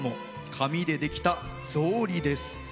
紙でできた草履です。